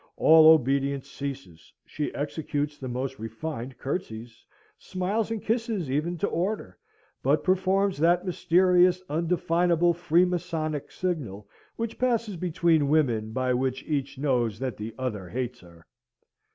all obedience ceases; she executes the most refined curtseys; smiles and kisses even to order; but performs that mysterious undefinable freemasonic signal, which passes between women, by which each knows that the other hates her.